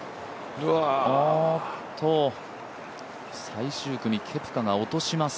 最終組、ケプカが落とします